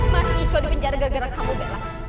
mas iko di penjara gara gara kamu bela